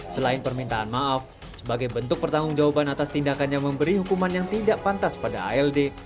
selain permintaan maaf sebagai bentuk pertanggung jawaban atas tindakannya memberi hukuman yang tidak pantas pada ald